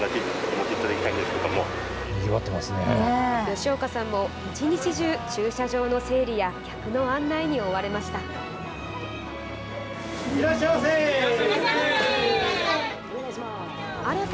吉岡さんも一日中、駐車場の整理や客の案内に追われました。